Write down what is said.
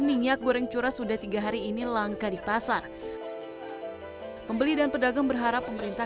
minyak goreng curah sudah tiga hari ini langka di pasar pembeli dan pedagang berharap pemerintah